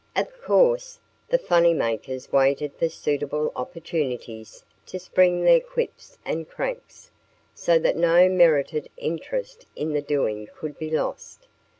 Of course, the fun makers waited for suitable opportunities to spring their "quips and cranks," so that no merited interest in the doing could be lost.